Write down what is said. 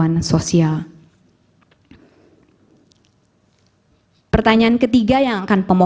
dan saya berharap nenek sgovern kita buat masak yang bagus